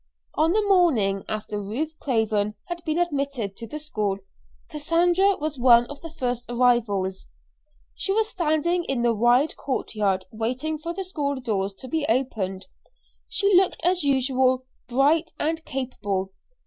On the morning after Ruth Craven had been admitted to the school Cassandra was one of the first arrivals. She was standing in the wide courtyard waiting for the school doors to be opened. She looked, as usual, bright and capable.